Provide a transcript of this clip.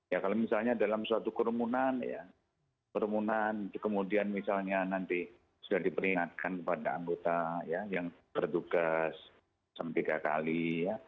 ya kalau misalnya dalam suatu kerumunan ya kerumunan kemudian misalnya nanti sudah diperingatkan kepada anggota ya yang bertugas tiga kali ya